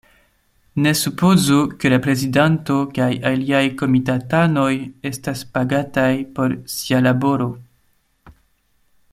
Ne supozu, ke la prezidanto kaj aliaj komitatanoj estas pagataj por sia laboro!